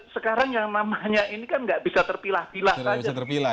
sekarang yang namanya ini kan nggak bisa terpilah pilah saja